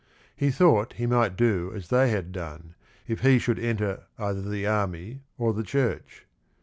He thought he might do as they had done, if he should enter either the army or the church.